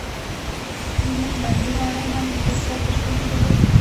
موږ بندي ماڼۍ هم لیدې چې هلته شتون یې درلود.